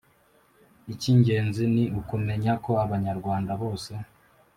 Icy'ingenzi ni ukumenya ko Abanyarwanda bose